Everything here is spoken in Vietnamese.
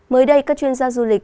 mới đây các chuyên gia du lịch